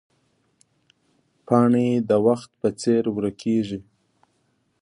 پاڼې د وخت په څېر ورکېږي